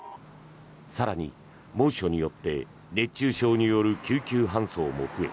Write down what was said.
更に、猛暑によって熱中症による救急搬送も増え